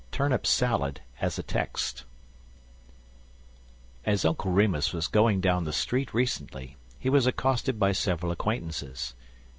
TURNIP SALAD AS A TEXT As Uncle Remus was going down the street recently he was accosted by several acquaintances.